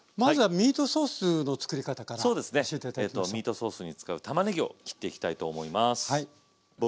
ミートソースに使うたまねぎを切っていきたいと思います。